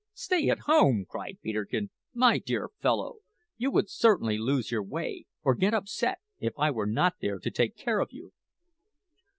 "Stay at home!" cried Peterkin. "My dear fellow, you would certainly lose your way, or get upset, if I were not there to take care of you."